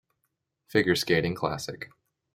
Figure Skating Classic.